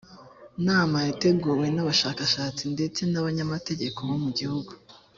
nama yateguwe n abashakashatsi ndetse n abanyamategeko bo mu gihugu